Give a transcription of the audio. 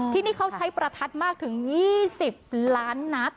ที่นี่เขาใช้ประทัดมากถึง๒๐ล้านนัด